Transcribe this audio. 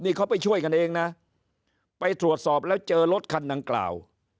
นี่เขาไปช่วยกันเองนะไปตรวจสอบแล้วเจอรถคันดังกล่าว